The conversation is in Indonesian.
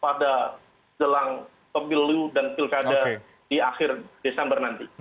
pada saat ini saya akan mengulang topil dan pilkada di akhir desember nanti